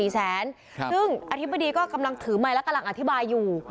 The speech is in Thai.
ซึ่งอธิบดีก็กำลังถือไมค์และกำลังอธิบายอยู่